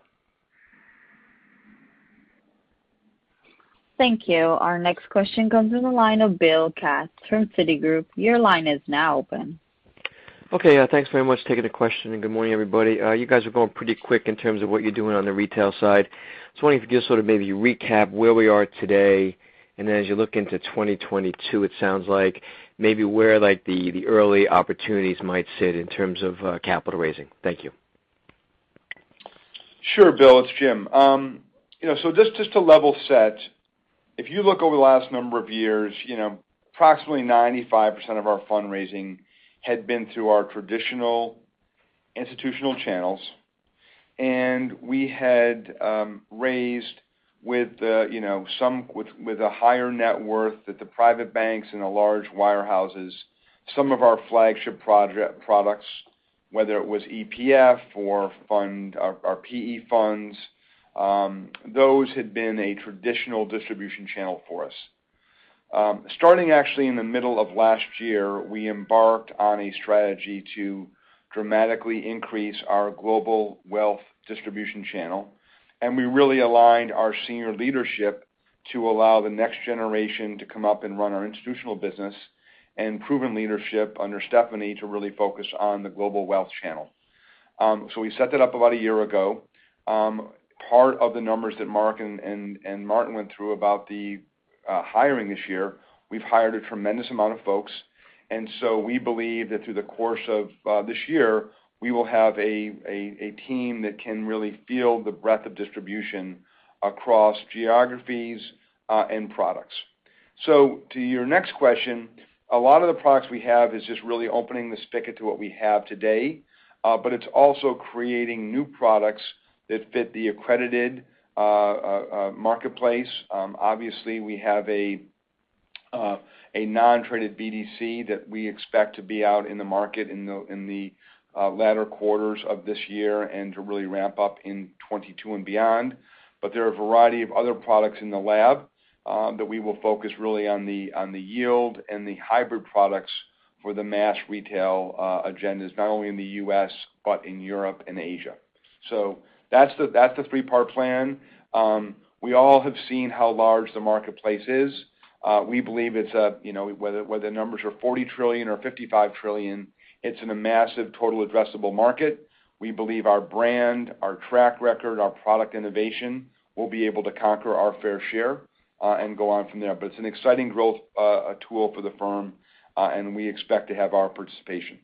Thank you. Our next question comes in the line of Bill Katz from Citigroup. Your line is now open. Okay, thanks very much for taking the question, and good morning, everybody. You guys are going pretty quick in terms of what you're doing on the retail side. Just wondering if you could just sort of maybe recap where we are today, and as you look into 2022, it sounds like maybe where the early opportunities might sit in terms of capital raising. Thank you. Sure, Bill, it's Jim. Just to level set, if you look over the last number of years, approximately 95% of our fundraising had been through our traditional institutional channels. We had raised with a higher net worth at the private banks and the large wirehouses, some of our flagship products, whether it was EPF or our PE funds, those had been a traditional distribution channel for us. Starting actually in the middle of last year, we embarked on a strategy to dramatically increase our global wealth distribution channel, and we really aligned our senior leadership to allow the next generation to come up and run our institutional business, and proven leadership under Stephanie to really focus on the global wealth channel. We set that up about a year ago. Part of the numbers that Marc and Martin went through about the hiring this year, we've hired a tremendous amount of folks. We believe that through the course of this year, we will have a team that can really fill the breadth of distribution across geographies and products. To your next question, a lot of the products we have is just really opening the spigot to what we have today. It's also creating new products that fit the accredited marketplace. Obviously, we have a non-traded BDC that we expect to be out in the market in the latter quarters of this year, and to really ramp up in 2022 and beyond. There are a variety of other products in the lab that we will focus really on the yield and the hybrid products for the mass retail agendas, not only in the U.S. but in Europe and Asia. That's the three-part plan. We all have seen how large the marketplace is. We believe whether the numbers are $40 trillion or $55 trillion, it's in a massive total addressable market. We believe our brand, our track record, our product innovation will be able to conquer our fair share, and go on from there. It's an exciting growth tool for the firm, and we expect to have our participation.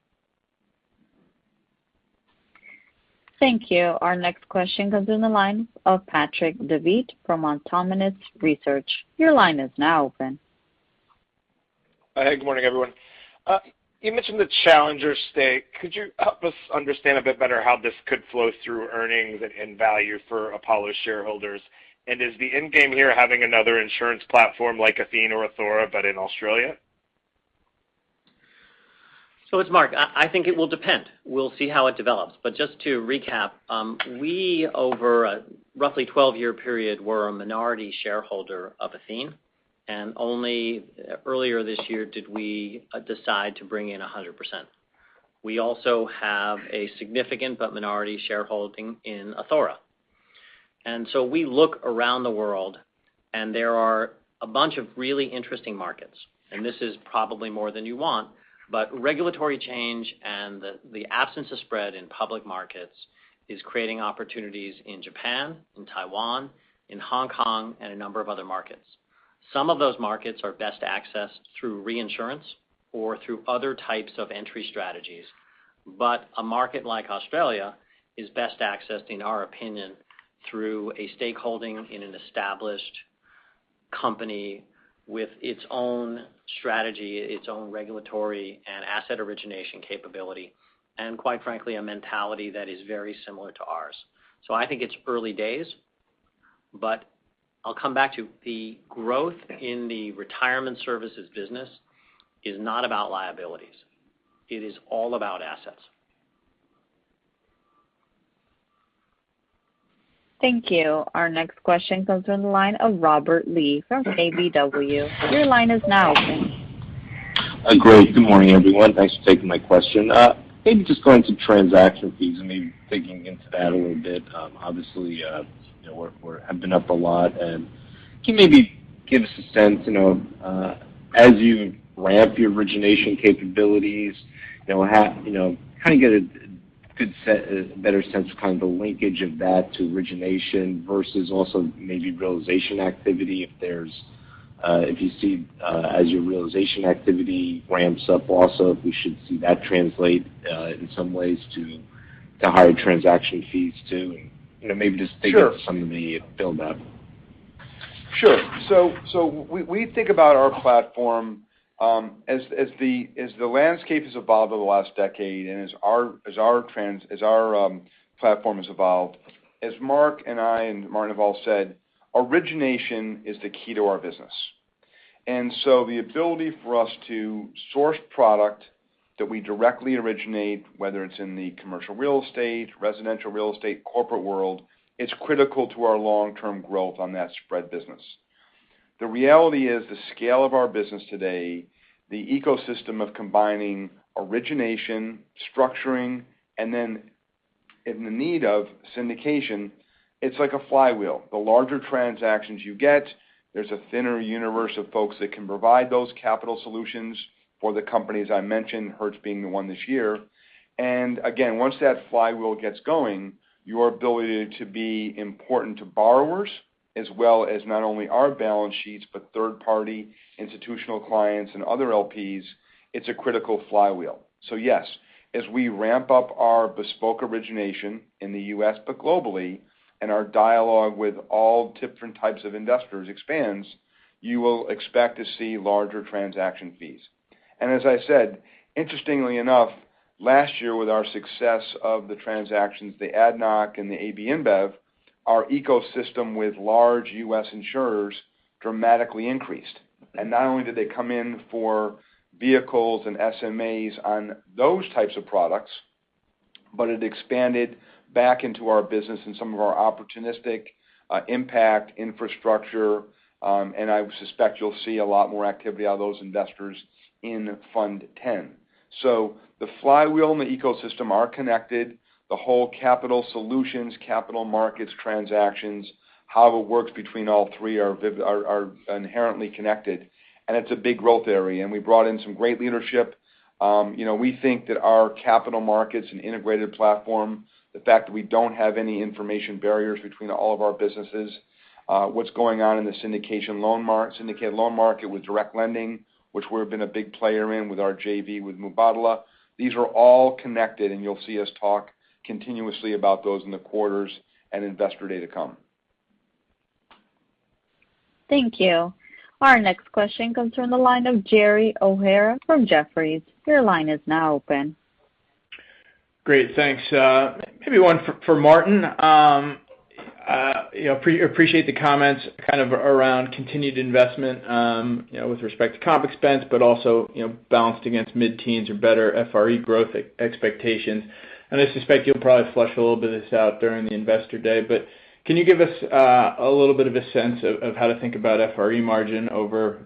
Thank you. Our next question comes in the line of Patrick Davitt from Autonomous Research. Your line is now open. Hey, good morning, everyone. You mentioned the Challenger stake. Could you help us understand a bit better how this could flow through earnings and value for Apollo shareholders? Is the end game here having another insurance platform like Athene or Athora, but in Australia? It's Marc. I think it will depend. We'll see how it develops. Just to recap, we over a roughly 12-year period, were a minority shareholder of Athene, and only earlier this year did we decide to bring in 100%. We also have a significant but minority shareholding in Athora. We look around the world and there are a bunch of really interesting markets, and this is probably more than you want, but regulatory change and the absence of spread in public markets is creating opportunities in Japan, in Taiwan, in Hong Kong, and a number of other markets. Some of those markets are best accessed through reinsurance or through other types of entry strategies. A market like Australia is best accessed, in our opinion, through a stakeholding in an established company with its own strategy, its own regulatory and asset origination capability, and quite frankly, a mentality that is very similar to ours. I think it's early days, but I'll come back to the growth in the retirement services business is not about liabilities. It is all about assets. Thank you. Our next question comes from the line of Robert Lee from KBW. Great. Good morning, everyone. Thanks for taking my question. Maybe just going to transaction fees and maybe digging into that a little bit. Obviously, we're up a lot. Can you maybe give us a sense, as you ramp your origination capabilities, can I get a better sense of kind of the linkage of that to origination versus also maybe realization activity, if you see as your realization activity ramps up also, if we should see that translate in some ways to higher transaction fees too? Sure Think of some of the build up. Sure. We think about our platform as the landscape has evolved over the last decade, as our platform has evolved. As Marc and I and Martin have all said, origination is the key to our business. The ability for us to source product that we directly originate, whether it's in the commercial real estate, residential real estate, corporate world, it's critical to our long-term growth on that spread business. The reality is the scale of our business today, the ecosystem of combining origination, structuring, and then in the need of syndication, it's like a flywheel. The larger transactions you get, there's a thinner universe of folks that can provide those capital solutions for the companies I mentioned, Hertz being the one this year. Once that flywheel gets going, your ability to be important to borrowers as well as not only our balance sheets, but third-party institutional clients and other LPs, it's a critical flywheel. Yes, as we ramp up our bespoke origination in the U.S., but globally, and our dialogue with all different types of investors expands, you will expect to see larger transaction fees. As I said, interestingly enough, last year with our success of the transactions, the ADNOC and the AB InBev, our ecosystem with large U.S. insurers dramatically increased. Not only did they come in for vehicles and SMAs on those types of products, but it expanded back into our business and some of our opportunistic impact infrastructure. I suspect you'll see a lot more activity out of those investors in Fund X. The flywheel and the ecosystem are connected. The whole capital solutions, capital markets transactions, how it works between all three are inherently connected. It's a big growth area. We brought in some great leadership. We think that our capital markets and integrated platform, the fact that we don't have any information barriers between all of our businesses, what's going on in the syndicated loan market with direct lending, which we've been a big player in with our JV with Mubadala, these are all connected, and you'll see us talk continuously about those in the quarters and investor day to come. Thank you. Our next question comes from the line of Gerry O'Hara from Jefferies. Your line is now open. Great. Thanks. Maybe one for Martin. Appreciate the comments kind of around continued investment with respect to comp expense, but also, balanced against mid-teens or better FRE growth expectations. I suspect you'll probably flesh a little bit of this out during the investor day. Can you give us a little bit of a sense of how to think about FRE margin over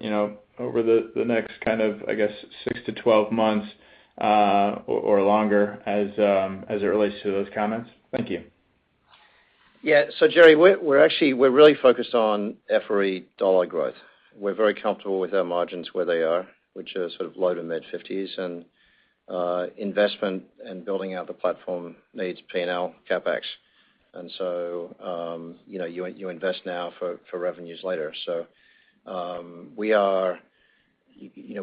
the next kind of, I guess, 6-12 months or longer as it relates to those comments? Thank you. Gerry, we're really focused on FRE dollar growth. We're very comfortable with our margins where they are, which are sort of low to mid-50s, and investment and building out the platform needs P&L CapEx. You invest now for revenues later.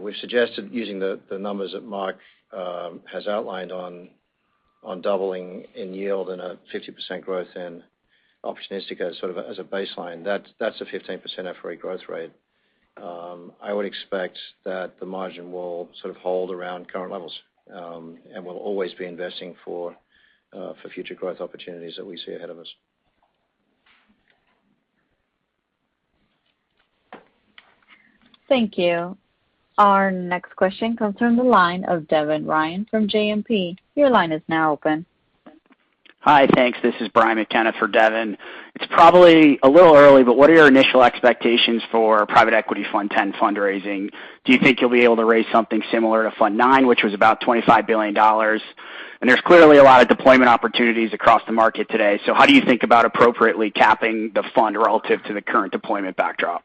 We've suggested using the numbers that Marc has outlined on doubling in yield and a 50% growth in opportunistic as sort of a baseline. That's a 15% FRE growth rate. I would expect that the margin will sort of hold around current levels, and we'll always be investing for future growth opportunities that we see ahead of us. Thank you. Our next question comes from the line of Devin Ryan from JMP. Your line is now open. Hi. Thanks. This is Brian McKenna for Devin Ryan. It's probably a little early, but what are your initial expectations for private equity Apollo Investment Fund X fundraising? Do you think you'll be able to raise something similar to Apollo Investment Fund IX, which was about $25 billion? There's clearly a lot of deployment opportunities across the market today, so how do you think about appropriately capping the fund relative to the current deployment backdrop?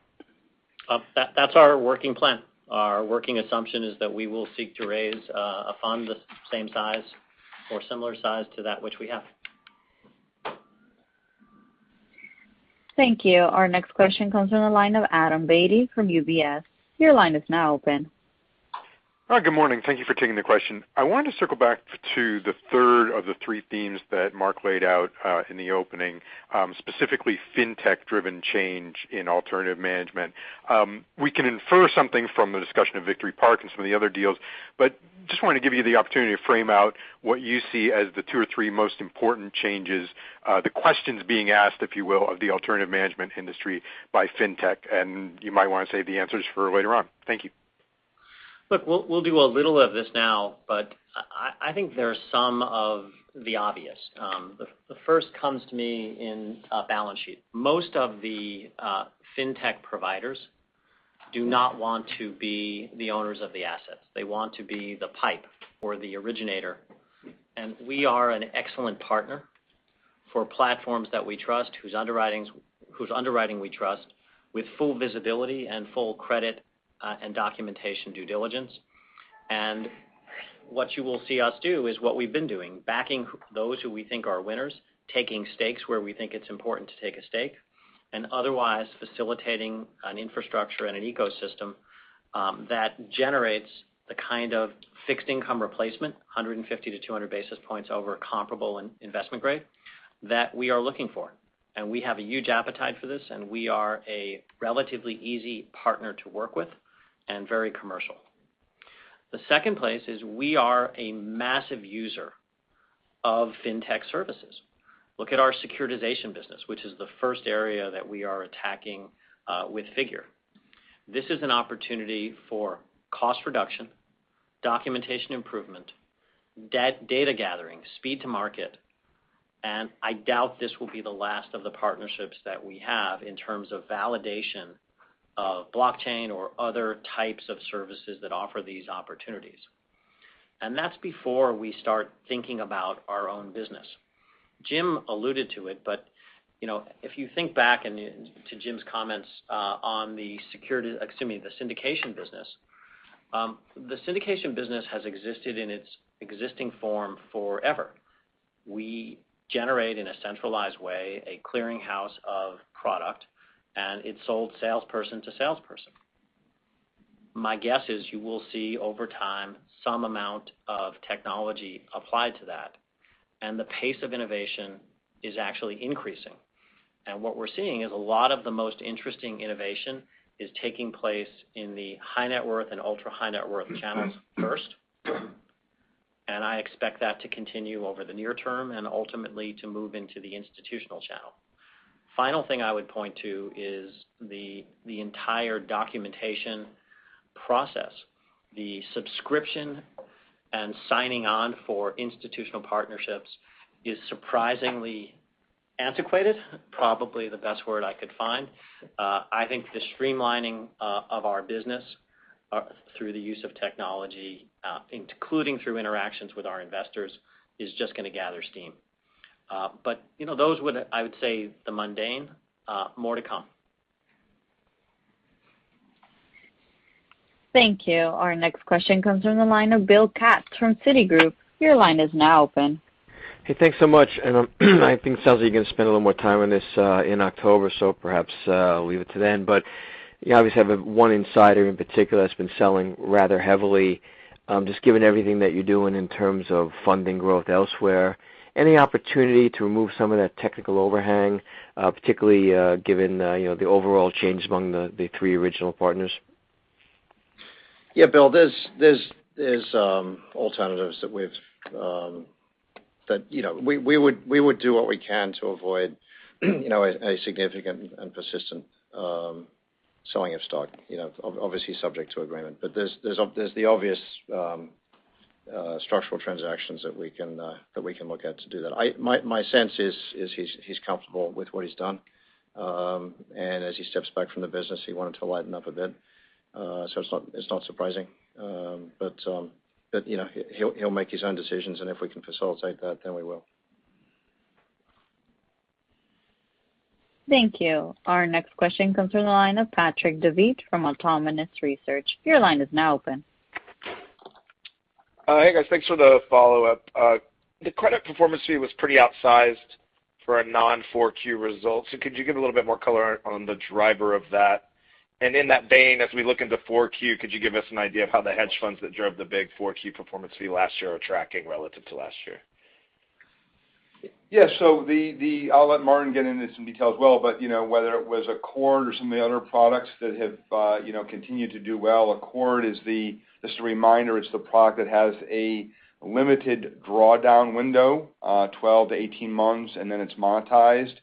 That's our working plan. Our working assumption is that we will seek to raise a fund the same size or similar size to that which we have. Thank you. Our next question comes from the line of Adam Beatty from UBS. Your line is now open. Hi. Good morning. Thank you for taking the question. I wanted to circle back to the third of the three themes that Marc laid out in the opening, specifically fintech-driven change in alternative management. We can infer something from the discussion of Victory Park and some of the other deals, but just want to give you the opportunity to frame out what you see as the two or three most important changes, the questions being asked, if you will, of the alternative management industry by fintech, and you might want to save the answers for later on. Thank you. Look, we'll do a little of this now. I think there are some of the obvious. The first comes to me in a balance sheet. Most of the fintech providers do not want to be the owners of the assets. They want to be the pipe or the originator. We are an excellent partner for platforms that we trust, whose underwriting we trust, with full visibility and full credit and documentation due diligence. What you will see us do is what we've been doing, backing those who we think are winners, taking stakes where we think it's important to take a stake, and otherwise facilitating an infrastructure and an ecosystem that generates the kind of fixed income replacement, 150-200 basis points over comparable investment grade, that we are looking for. We have a huge appetite for this, and we are a relatively easy partner to work with and very commercial. The second place is we are a massive user of fintech services. Look at our securitization business, which is the first area that we are attacking with Figure. This is an opportunity for cost reduction, documentation improvement, data gathering, speed to market, and I doubt this will be the last of the partnerships that we have in terms of validation of blockchain or other types of services that offer these opportunities. That's before we start thinking about our own business. Jim alluded to it, but if you think back to Jim's comments on the syndication business. The syndication business has existed in its existing form forever. We generate, in a centralized way, a clearing house of product, and it's sold salesperson to salesperson. My guess is you will see, over time, some amount of technology applied to that, and the pace of innovation is actually increasing. What we're seeing is a lot of the most interesting innovation is taking place in the high net worth and ultra high net worth channels first, and I expect that to continue over the near term and ultimately to move into the institutional channel. Final thing I would point to is the entire documentation process. The subscription and signing on for institutional partnerships is surprisingly antiquated, probably the best word I could find. I think the streamlining of our business through the use of technology, including through interactions with our investors, is just going to gather steam. Those were, I would say, the mundane. More to come. Thank you. Our next question comes from the line of Bill Katz from Citigroup. Your line is now open. Hey, thanks so much. I think it sounds you're going to spend a little more time on this in October, so perhaps I'll leave it to then. You obviously have one insider in particular that's been selling rather heavily. Just given everything that you're doing in terms of funding growth elsewhere, any opportunity to remove some of that technical overhang, particularly given the overall change among the three original partners? Yeah, Bill, there's alternatives that we would do what we can to avoid a significant and persistent selling of stock, obviously subject to agreement. There's the obvious structural transactions that we can look at to do that. My sense is he's comfortable with what he's done. As he steps back from the business, he wanted to lighten up a bit. It's not surprising. He'll make his own decisions, and if we can facilitate that, then we will. Thank you. Our next question comes from the line of Patrick Davitt from Autonomous Research. Your line is now open. Hi, guys. Thanks for the follow-up. The credit performance fee was pretty outsized for a non-4Q result. Could you give a little bit more color on the driver of that? In that vein, as we look into 4Q, could you give us an idea of how the hedge funds that drove the big 4Q performance fee last year are tracking relative to last year? Yeah. I'll let Martin get into some details as well, whether it was Accord or some of the other products that have continued to do well. Accord is the, just a reminder, it's the product that has a limited drawdown window, 12-18 months, and then it's monetized.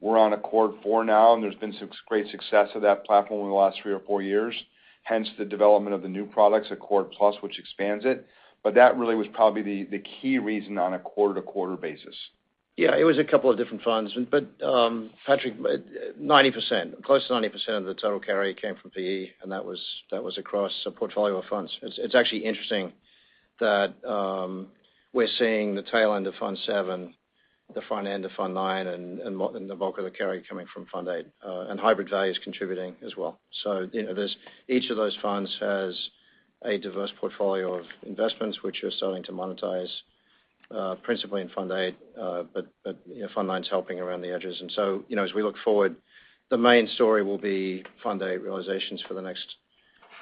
We're on Accord IV now, there's been some great success of that platform over the last three or four years. Hence the development of the new products, Accord+, which expands it. That really was probably the key reason on a quarter-over-quarter basis. Yeah, it was a couple of different funds. Patrick, close to 90% of the total carry came from PE, and that was across a portfolio of funds. It's actually interesting that we're seeing the tail end of Fund VII, the front end of Fund IX, and the bulk of the carry coming from Fund VIII. Hybrid Value is contributing as well. Each of those funds has a diverse portfolio of investments which are selling to monetize principally in Fund VIII. Fund IX's helping around the edges. As we look forward, the main story will be Fund VIII realizations for the next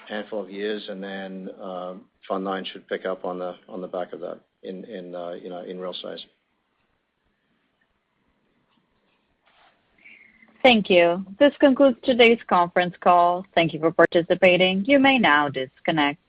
handful of years, then Fund IX should pick up on the back of that in real size. Thank you. This concludes today's conference call. Thank you for participating. You may now disconnect.